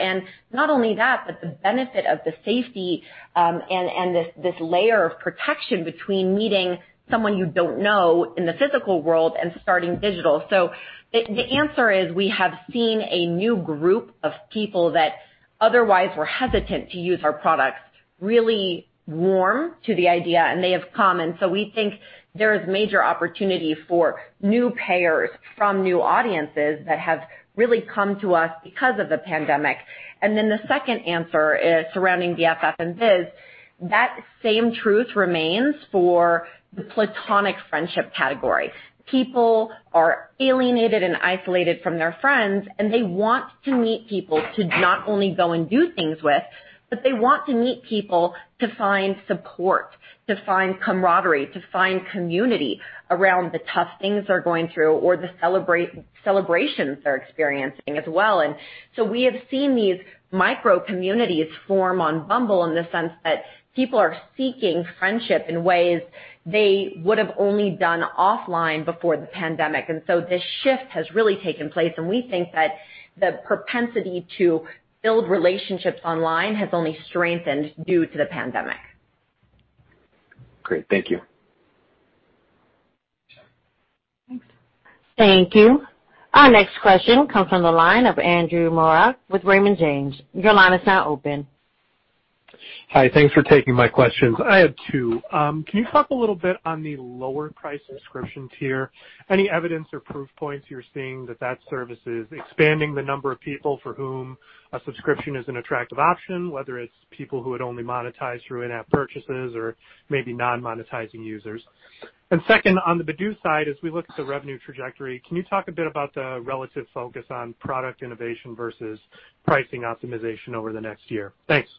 Not only that, but the benefit of the safety and this layer of protection between meeting someone you don't know in the physical world and starting digital. The answer is, we have seen a new group of people that otherwise were hesitant to use our products, really warm to the idea, and they have come. We think there is major opportunity for new payers from new audiences that have really come to us because of the pandemic. The second answer surrounding BFF and Bizz, that same truth remains for the platonic friendship category. People are alienated and isolated from their friends, and they want to meet people to not only go and do things with, but they want to meet people to find support, to find camaraderie, to find community around the tough things they're going through or the celebrations they're experiencing as well. We have seen these micro-communities form on Bumble in the sense that people are seeking friendship in ways they would've only done offline before the pandemic. This shift has really taken place, and we think that the propensity to build relationships online has only strengthened due to the pandemic. Great. Thank you. Thanks. Thank you. Our next question comes from the line of Andrew Marok with Raymond James. Your line is now open. Hi. Thanks for taking my questions. I have two. Can you talk a little bit on the lower price subscription tier? Any evidence or proof points you're seeing that service is expanding the number of people for whom a subscription is an attractive option, whether it's people who had only monetized through in-app purchases or maybe non-monetizing users? Second, on the Badoo side, as we look at the revenue trajectory, can you talk a bit about the relative focus on product innovation versus pricing optimization over the next year? Thanks.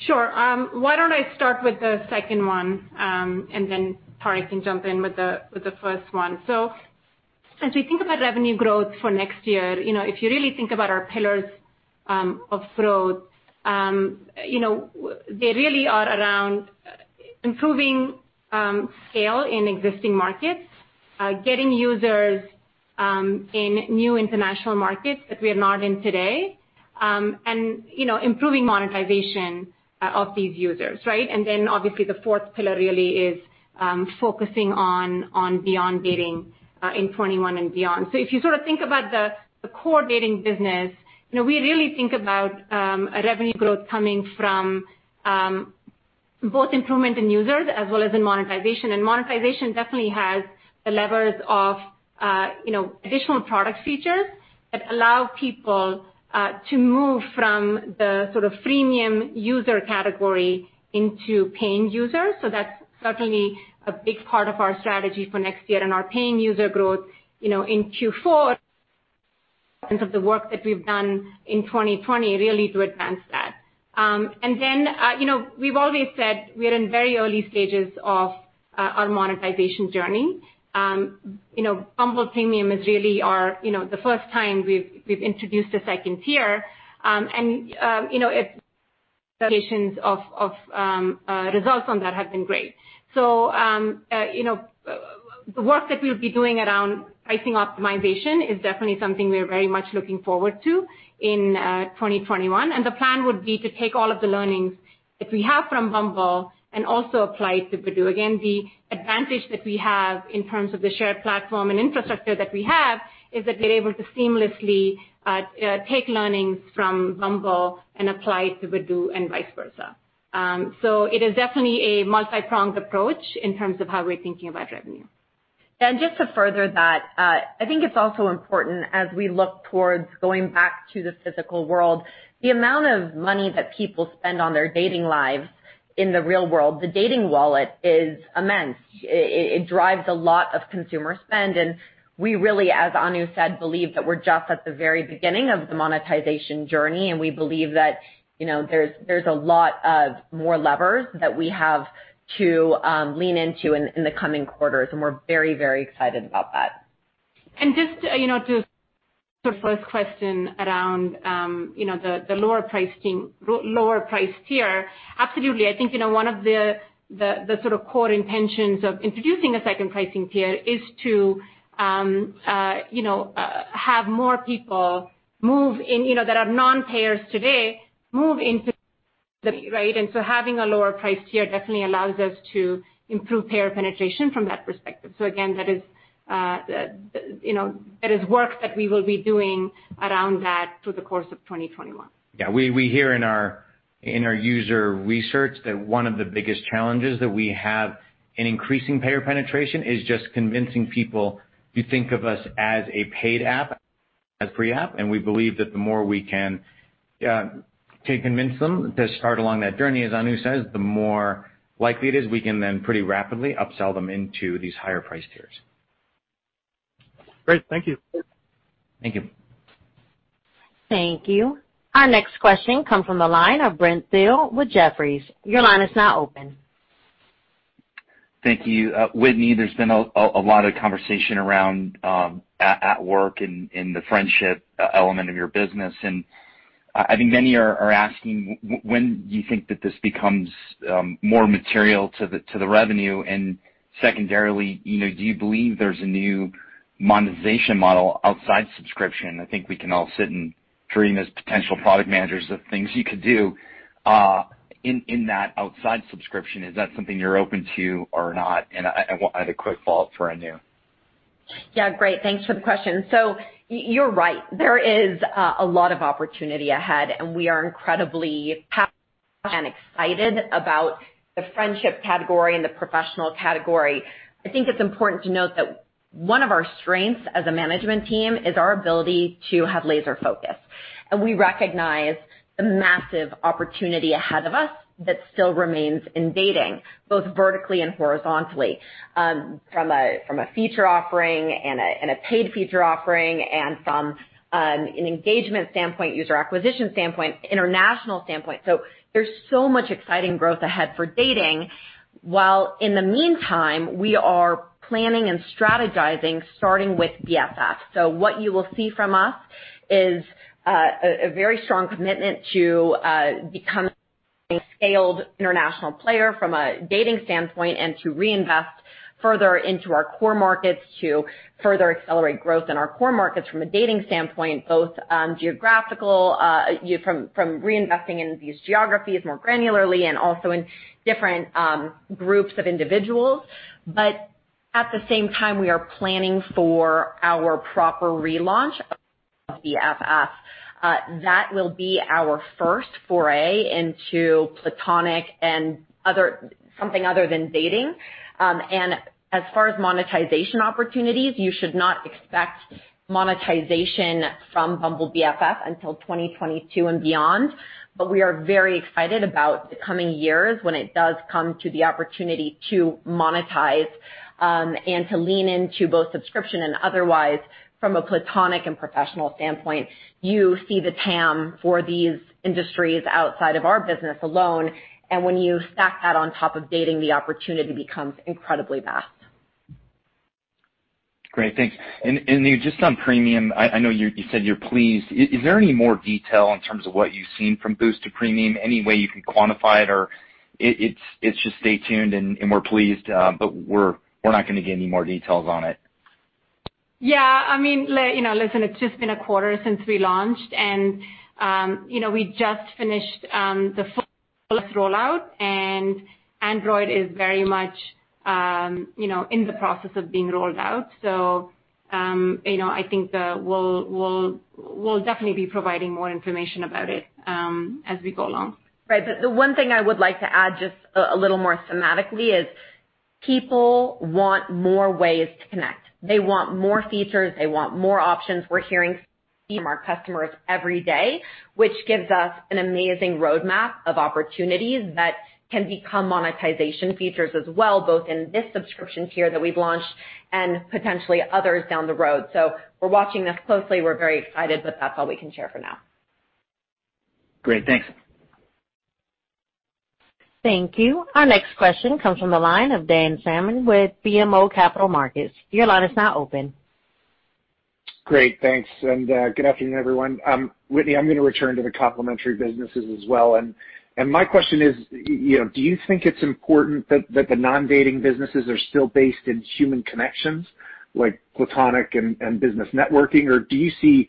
Sure. Why don't I start with the second one, and then Tariq can jump in with the first one. As we think about revenue growth for next year, if you really think about our pillars of growth, they really are around improving scale in existing markets, getting users in new international markets that we are not in today, and improving monetization of these users, right? Obviously the fourth pillar really is focusing on beyond dating in 2021 and beyond. If you sort of think about the core dating business, we really think about a revenue growth coming from both improvement in users as well as in monetization. Monetization definitely has the levers of additional product features that allow people to move from the sort of freemium user category into paying users. That's certainly a big part of our strategy for next year and our paying user growth, in Q4 of the work that we've done in 2020 really to advance that. We've always said we are in very early stages of our monetization journey. Bumble Premium is really the first time we've introduced a Tier 2, and variations of results on that have been great. The work that we'll be doing around pricing optimization is definitely something we are very much looking forward to in 2021. The plan would be to take all of the learnings that we have from Bumble and also apply to Badoo. Again, the advantage that we have in terms of the shared platform and infrastructure that we have is that we're able to seamlessly take learnings from Bumble and apply to Badoo and vice versa. It is definitely a multi-pronged approach in terms of how we're thinking about revenue. Just to further that, I think it's also important as we look towards going back to the physical world, the amount of money that people spend on their dating lives in the real world, the dating wallet is immense. It drives a lot of consumer spend. We really, as Anu said, believe that we're just at the very beginning of the monetization journey. We believe that there's a lot of more levers that we have to lean into in the coming quarters. We're very excited about that. Just to the first question around the lower price tier, absolutely. I think one of the sort of core intentions of introducing a second pricing tier is to have more people that are non-payers today, move into, right? Having a lower price tier definitely allows us to improve payer penetration from that perspective. Again, that is work that we will be doing around that through the course of 2021. Yeah, we hear in our user research that one of the biggest challenges that we have in increasing payer penetration is just convincing people to think of us as a paid app, as free app. We believe that the more we can convince them to start along that journey, as Anu says, the more likely it is we can then pretty rapidly upsell them into these higher price tiers. Great. Thank you. Thank you. Thank you. Our next question comes from the line of Brent Thill with Jefferies. Your line is now open. Thank you. Whitney, there's been a lot of conversation around at work and the friendship element of your business. I think many are asking when do you think that this becomes more material to the revenue? Secondarily, do you believe there's a new monetization model outside subscription? I think we can all sit and dream as potential product managers of things you could do in that outside subscription. Is that something you're open to or not? I had a quick follow-up for Anu. Yeah, great. Thanks for the question. You're right. There is a lot of opportunity ahead, and we are incredibly passionate and excited about the friendship category and the professional category. I think it's important to note that one of our strengths as a management team is our ability to have laser focus. We recognize the massive opportunity ahead of us that still remains in dating, both vertically and horizontally. From a feature offering and a paid feature offering and from an engagement standpoint, user acquisition standpoint, international standpoint. There's so much exciting growth ahead for dating, while in the meantime, we are planning and strategizing, starting with BFF. What you will see from us is a very strong commitment to becoming a scaled international player from a dating standpoint and to reinvest further into our core markets to further accelerate growth in our core markets from a dating standpoint, both geographical from reinvesting in these geographies more granularly and also in different groups of individuals. At the same time, we are planning for our proper relaunch of BFF. That will be our first foray into platonic and something other than dating. As far as monetization opportunities, you should not expect monetization from Bumble BFF until 2022 and beyond. We are very excited about the coming years when it does come to the opportunity to monetize and to lean into both subscription and otherwise from a platonic and professional standpoint. You see the TAM for these industries outside of our business alone, and when you stack that on top of dating, the opportunity becomes incredibly vast. Great, thanks. Anu, just on Premium, I know you said you're pleased. Is there any more detail in terms of what you've seen from Boost to Premium? Any way you can quantify it, or it's just stay tuned and we're pleased, but we're not going to get any more details on it? Yeah. Listen, it's just been a quarter since we launched, and we just finished the rollout, and Android is very much in the process of being rolled out. I think that we'll definitely be providing more information about it as we go along. Right. The one thing I would like to add just a little more thematically is people want more ways to connect. They want more features. They want more options. We're hearing from our customers every day, which gives us an amazing roadmap of opportunities that can become monetization features as well, both in this subscription tier that we've launched and potentially others down the road. We're watching this closely. We're very excited, but that's all we can share for now. Great, thanks. Thank you. Our next question comes from the line of Dan Salmon with BMO Capital Markets. Your line is now open. Great, thanks, good afternoon, everyone. Whitney, I'm going to return to the complementary businesses as well. My question is, do you think it's important that the non-dating businesses are still based in human connections, like platonic and business networking, or do you see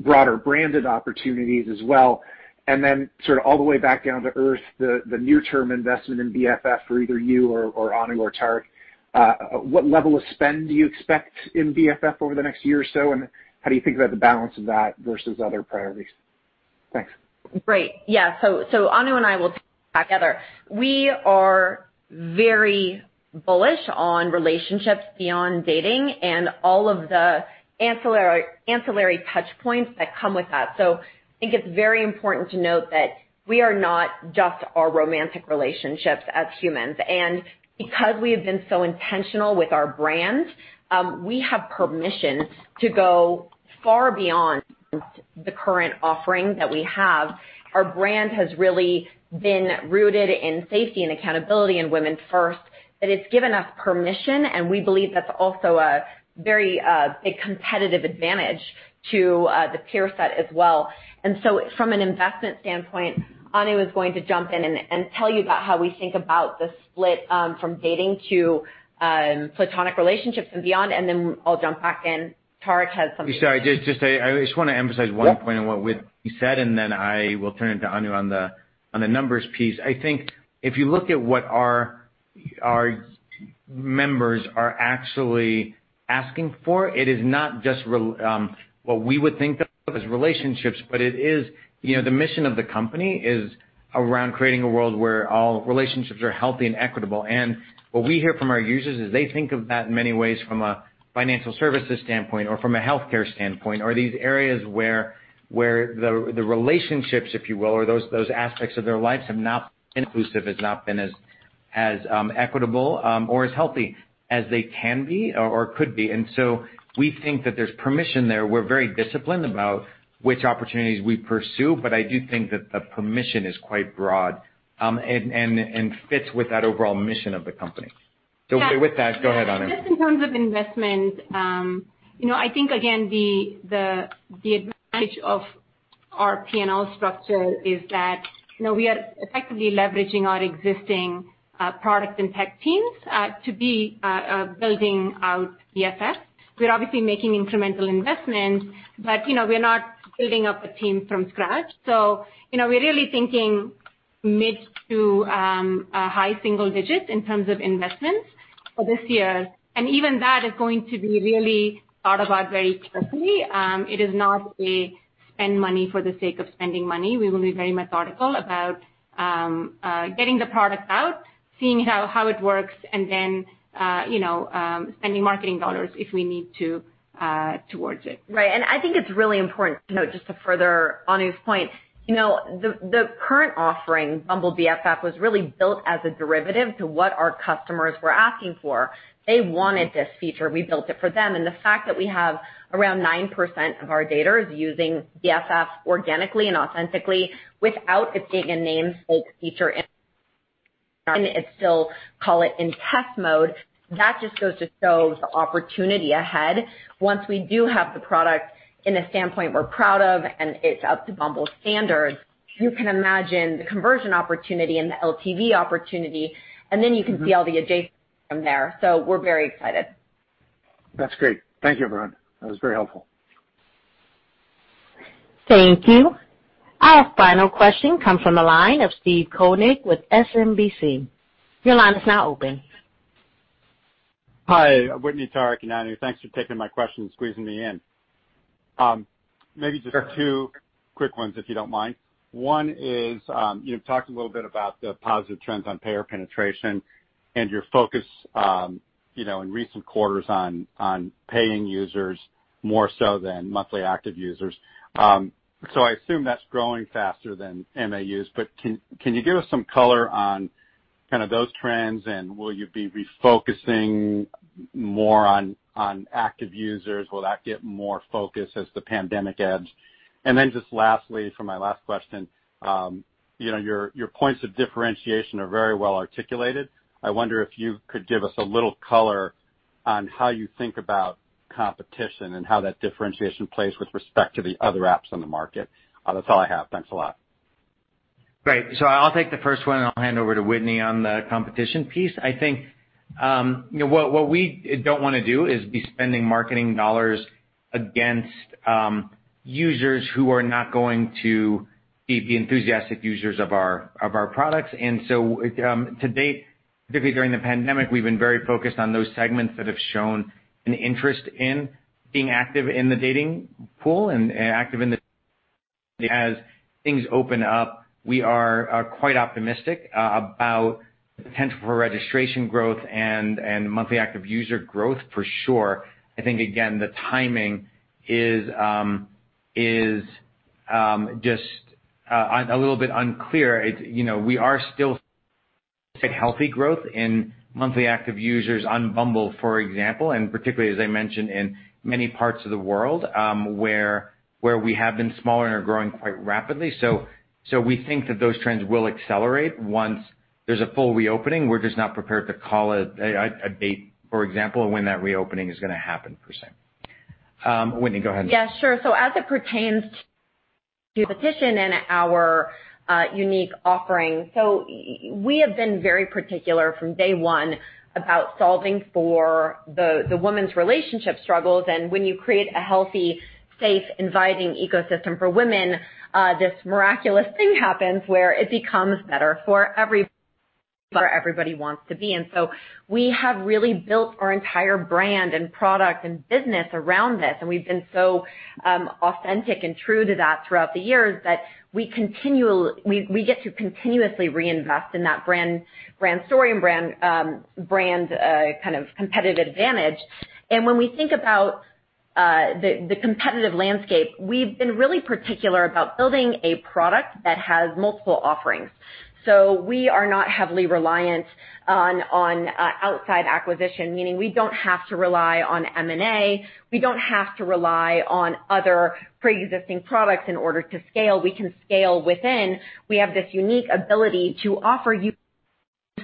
broader branded opportunities as well? Then all the way back down to earth, the near-term investment in BFF for either you or Anu or Tariq, what level of spend do you expect in BFF over the next year or so, and how do you think about the balance of that versus other priorities? Thanks. Great. Yeah. Anu and I will talk together. We are very bullish on relationships beyond dating and all of the ancillary touchpoints that come with that. I think it's very important to note that we are not just our romantic relationships as humans. Because we have been so intentional with our brand, we have permission to go far beyond the current offering that we have. Our brand has really been rooted in safety and accountability and Women First, that it's given us permission, and we believe that's also a very big competitive advantage to the peer set as well. From an investment standpoint, Anu is going to jump in and tell you about how we think about the split from dating to platonic relationships and beyond, then I'll jump back in. Tariq has something. Sorry, I just want to emphasize one point on what Whitney said. Then I will turn it to Anu on the numbers piece. I think if you look at what our members are actually asking for, it is not just what we would think of as relationships, but the mission of the company is around creating a world where all relationships are healthy and equitable. What we hear from our users is they think of that in many ways from a financial services standpoint or from a healthcare standpoint are these areas where the relationships If you will, or those aspects of their lives have not been inclusive, has not been as equitable or as healthy as they can be or could be. We think that there's permission there. We're very disciplined about which opportunities we pursue, but I do think that the permission is quite broad and fits with that overall mission of the company. With that, go ahead, Anu. Just in terms of investment, I think again, the advantage of our P&L structure is that we are effectively leveraging our existing product and tech teams to be building out BFF. We're obviously making incremental investments, but we're not building up a team from scratch. We're really thinking mid to high single digits in terms of investments for this year. Even that is going to be really thought about very carefully. It is not a spend money for the sake of spending money. We will be very methodical about getting the product out, seeing how it works, and then spending marketing dollars if we need to towards it. Right. I think it's really important to note, just to further Anu's point, the current offering, Bumble BFF, was really built as a derivative to what our customers were asking for. They wanted this feature. We built it for them. The fact that we have around 9% of our daters using BFF organically and authentically without it being a named feature, and still call it in test mode, that just goes to show the opportunity ahead. Once we do have the product in a standpoint we're proud of and it's up to Bumble standards, you can imagine the conversion opportunity and the LTV opportunity, and then you can see all the adjacencies from there. We're very excited. That's great. Thank you, everyone. That was very helpful. Thank you. Our final question comes from the line of Steve Koenig with SMBC. Your line is now open. Hi, Whitney, Tariq, Anu. Thanks for taking my question and squeezing me in. Maybe just two quick ones, if you don't mind. One is, you've talked a little bit about the positive trends on payer penetration and your focus in recent quarters on paying users more so than monthly active users. I assume that's growing faster than MAUs, can you give us some color on those trends, will you be refocusing more on active users? Will that get more focus as the pandemic ebbs? Just lastly, for my last question, your points of differentiation are very well articulated. I wonder if you could give us a little color on how you think about competition and how that differentiation plays with respect to the other apps on the market. That's all I have. Thanks a lot. Great. I'll take the first one, and I'll hand over to Whitney on the competition piece. I think what we don't want to do is be spending marketing dollars against users who are not going to be enthusiastic users of our products. To date, particularly during the pandemic, we've been very focused on those segments that have shown an interest in being active in the dating pool and active in the as things open up, we are quite optimistic about the potential for registration growth and monthly active user growth for sure. I think, again, the timing is just a little bit unclear. We are still seeing healthy growth in monthly active users on Bumble, for example, and particularly, as I mentioned, in many parts of the world where we have been smaller and are growing quite rapidly. We think that those trends will accelerate once there's a full reopening. We're just not prepared to call it a date, for example, of when that reopening is going to happen, per se. Whitney, go ahead. Yeah, sure. As it pertains to competition and our unique offering, so we have been very particular from day one about solving for the woman's relationship struggles, and when you create a healthy, safe, inviting ecosystem for women, this miraculous thing happens where it becomes better for everybody wants to be. We have really built our entire brand and product and business around this, and we've been so authentic and true to that throughout the years that we get to continuously reinvest in that brand story and brand competitive advantage. When we think about the competitive landscape, we've been really particular about building a product that has multiple offerings. We are not heavily reliant on outside acquisition, meaning we don't have to rely on M&A. We don't have to rely on other preexisting products in order to scale. We can scale within. We have this unique ability to offer you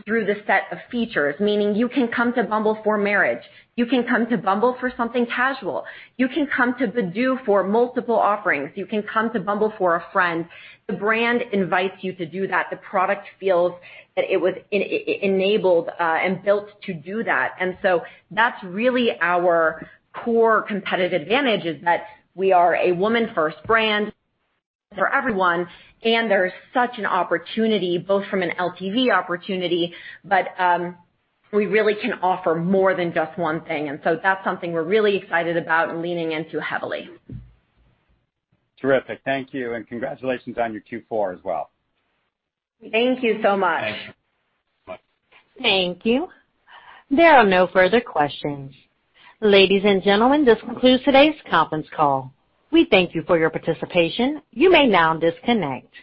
through the set of features. Meaning you can come to Bumble for marriage. You can come to Bumble for something casual. You can come to Badoo for multiple offerings. You can come to Bumble for a friend. The brand invites you to do that. The product feels that it was enabled and built to do that. That's really our core competitive advantage is that we are a woman-first brand for everyone, and there's such an opportunity, both from an LTV opportunity, but we really can offer more than just one thing. That's something we're really excited about and leaning into heavily. Terrific. Thank you, and congratulations on your Q4 as well. Thank you so much. Thanks. Thank you. There are no further questions. Ladies and gentlemen, this concludes today's conference call. We thank you for your participation. You may now disconnect.